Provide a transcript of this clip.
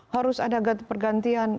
harus ada pergantian